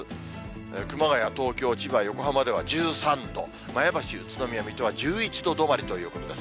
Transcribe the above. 熊谷、東京、千葉、横浜では１３度、前橋、宇都宮、水戸は１１度止まりということです。